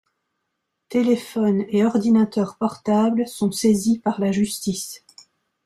Téléphone et ordinateur portables sont saisis par la justice.